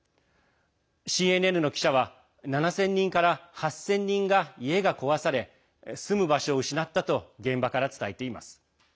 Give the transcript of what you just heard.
ＣＮＮの記者は７０００人から８０００人が家が壊され、住む場所を失ったと現場から伝えています。